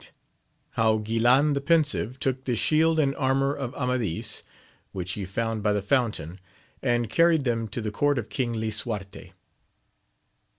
— How auilan the Pensive took the shield and armour of Amadis, which be found by the fountain, and carried them to the court of King liauarte.